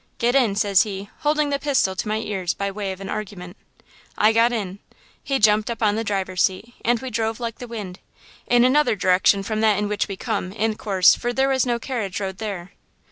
"'Get in,' says he, holding the pistil to my ears by way of an argument. "I got in. He jumped up upon the driver's seat and we drove like the wind. In another direction from that in which we come, in course, for there was no carriage road there.